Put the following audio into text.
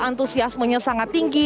antusiasmenya sangat tinggi